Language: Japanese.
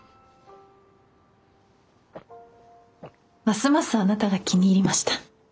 ますますあなたが気に入りました。